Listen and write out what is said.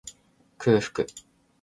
空腹